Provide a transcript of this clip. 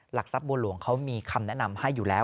หลักทรัพย์บัวหลวงเขามีคำแนะนำให้อยู่แล้ว